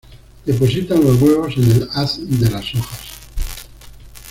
Depositan los huevos en el haz de las hojas.